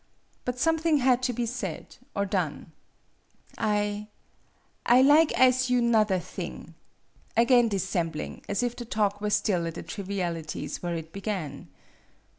But something had to be said or done. " I I lig as' you 'nether thing" again dissembling, as if the talk were still at the trivialities where it began.